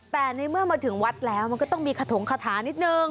แต่ในเมื่อมาถึงวัดแล้วมันก็ต้องมีขถงคาถานิดนึง